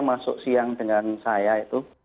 masuk siang dengan saya itu